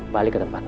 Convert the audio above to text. balik ke tempatmu